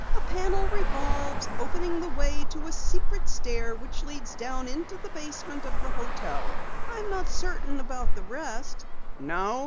"A panel revolves, opening the way to a secret stair which leads down into the basement of the hotel. I'm not certain about the rest " "No?"